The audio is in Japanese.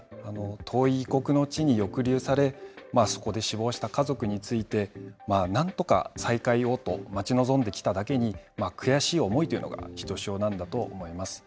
遠い異国の地に抑留され、そこで死亡した家族について、なんとか再会をと待ち望んできただけに、悔しい思いというのがひとしおなんだと思います。